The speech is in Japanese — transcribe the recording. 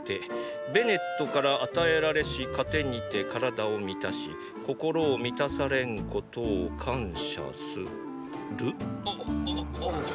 ベネットから与えられし糧にて体を満たし心を満たされんことを感謝する？